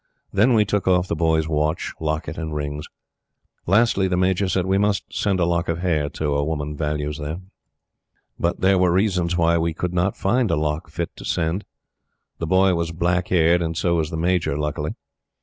Then we took off The Boy's watch, locket, and rings. Lastly, the Major said: "We must send a lock of hair too. A woman values that." But there were reasons why we could not find a lock fit to send. The Boy was black haired, and so was the Major, luckily.